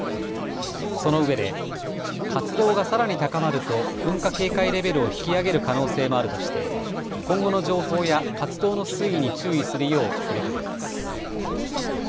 そのうえで活動がさらに高まると噴火警戒レベルを引き上げる可能性もあるとして今後の情報や活動の推移に注意するよう呼びかけています。